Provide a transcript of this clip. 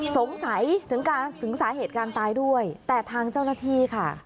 สงสัยถึงการถึงสาเหตุการณ์ตายด้วยแต่ทางเจ้าหน้าที่ค่ะ